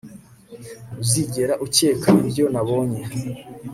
Ntuzigera ukeka ibyo nabonye